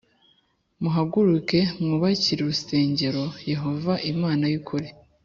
muhaguruke mwubakire urusengeroi Yehova Imana y ukuri